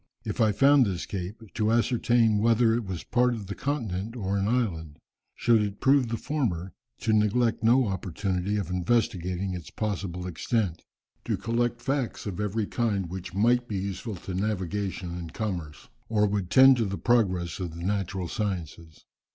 If I found this cape, to ascertain whether it was part of the continent or an island. Should it prove the former, to neglect no opportunity of investigating its possible extent. To collect facts of every kind which might be useful to navigation and commerce, or would tend to the progress of the natural sciences.